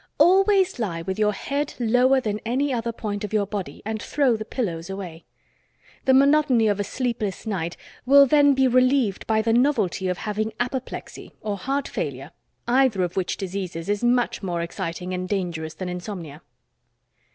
Always lie with your head lower than any other point of your body and throw the pillows away. The monotony of a sleepless night will then be relieved by the novelty of having apoplexy or heart failure, either of which diseases is much more exciting and dangerous than insomnia.